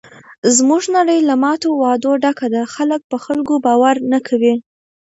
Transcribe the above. زموږ نړۍ له ماتو وعدو ډکه ده. خلک په خلکو باور نه کوي.